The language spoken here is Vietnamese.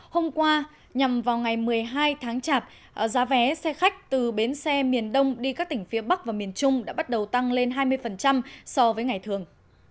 hôm qua nhằm vào ngày một mươi hai tháng chạp giá vé xe khách từ bến xe miền đông đi các tỉnh phía bắc và miền trung đã bắt đầu tăng lên hai mươi so với ngày thường